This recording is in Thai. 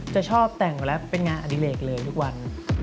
จะชอบแต่งไปแล้วเป็นงานอดิเลกเลยทุกวัน